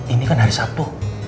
ini kan hari sabtu